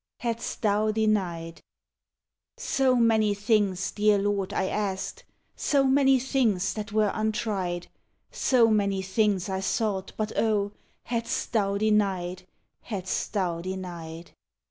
HADST THOU DENIED So many things, dear Lord, I asked; So many things that were untried; So many things I sought, but oh Hadst Thou denied! Hadst Thou denied!